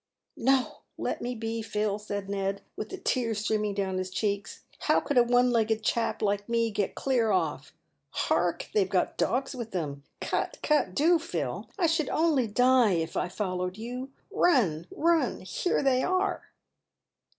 " No, let me be, Phil," said Ned, with the tears streaming down his cheeks. "How could a one legged chap like me get clear off? Hark ! they've got dogs with them. Cut ! cut ! Do, Phil ; I should only die if I followed you. Run, run ! here they are."